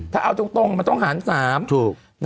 ถ้าเอาตรงมันต้องหาร๓ถูก